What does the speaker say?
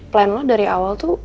plan lo dari awal tuh